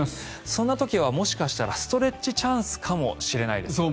そんな時はもしかしたらストレッチチャンスかもしれないですね。